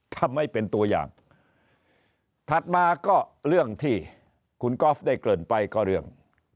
ถ้าไม่เป็นตัวอย่างถัดมาก็เรื่องที่คุณก๊อฟได้เกริ่นไปก็เรื่อง